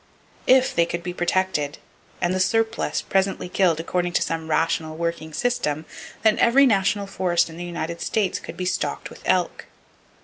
If they could be protected, and the surplus presently killed according to some rational, working system, then every national forest in the United States should be stocked with elk!